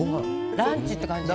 ランチって感じ。